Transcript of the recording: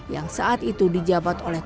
yang saat itu di jabat oleh